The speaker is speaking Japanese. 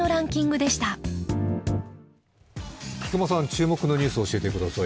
注目のニュースを教えてください。